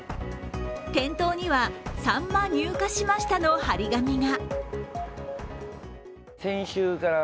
店頭には「さんま入荷しました」の張り紙が。